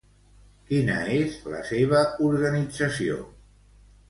Quina és la seva organització?